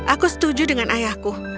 aku setuju dengan ayahku